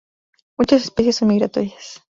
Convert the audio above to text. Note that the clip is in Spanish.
Muchas especies son migratorias.